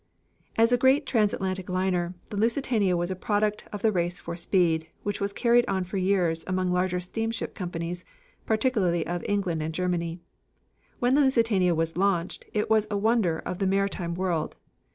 As a great transatlantic liner, the Lusitania was a product of the race for speed, which was carried on for years among larger steamship companies, particularly of England and Germany. When the Lusitania was launched, it was the wonder of the maritime world.